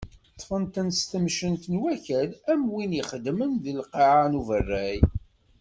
Ṭṭfen-ten s temcent n wakal am win i ixeddmen deg lqaε n uberray.